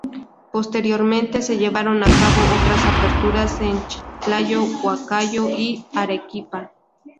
Posteriormente se llevaron a cabo otras aperturas en Chiclayo, Huancayo y Arequipa.